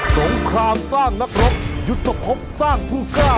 สงครามสร้างนักรบยุตภพสร้างพูกร้า